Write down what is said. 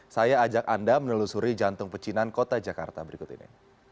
saya ajak anda menelusuri jantung pecinan kota jakarta berikut ini